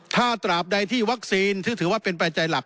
ถ้าตราบใดที่วัคซีนซึ่งถือว่าเป็นปัจจัยหลัก